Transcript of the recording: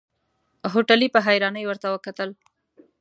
هوټلي په حيرانۍ ورته وکتل.